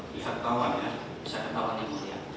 lihat tahun ya bisa ketahuan yang mulia